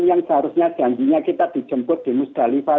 yang seharusnya janjinya kita dijemput di musdalifah